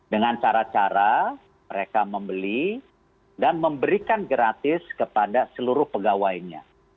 dengan cara cara mereka membeli dan memberikan gratis kepada seluruh pegawainya